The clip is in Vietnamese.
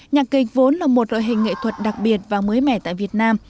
nhạc kịch vốn là một loại hình nghệ thuật đặc biệt và mới mẻ tại việt nam